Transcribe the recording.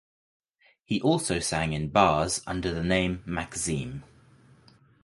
He also sang in bars under the name Maxime.